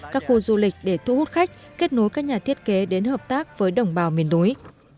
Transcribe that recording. các khu du lịch để thu hút khách kết nối các nhà thiết kế đến hợp tác với đồng bào miền núi